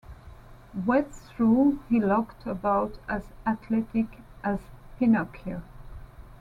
Wet through he looked about as athletic as Pinocchio.